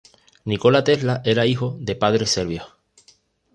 Nikola Tesla era hijo de padres serbios.